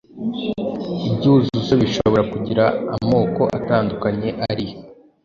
Ibyuzuzo bishobora kugira amoko atandukanye ari yo: